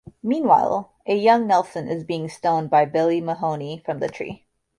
Meanwhile, a young Nelson is being stoned by Billy Mahoney from the tree.